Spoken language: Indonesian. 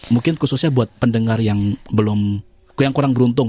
mungkin khususnya buat pendengar yang kurang beruntung